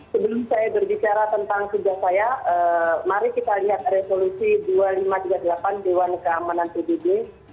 sebelum saya berbicara tentang tugas saya mari kita lihat resolusi dua ribu lima ratus tiga puluh delapan dewan keamanan pbb